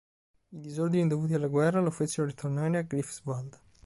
I disordini dovuti alla guerra lo fecero ritornare a Greifswald.